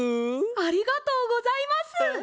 ありがとうございます！